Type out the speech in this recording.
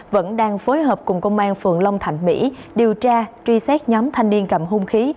vẫn đang phối hợp cùng công an phường long thạnh mỹ điều tra truy xét nhóm thanh niên cầm hung khí